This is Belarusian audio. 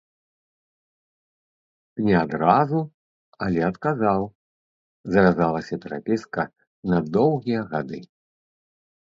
Не адразу, але адказаў, завязалася перапіска на доўгія гады.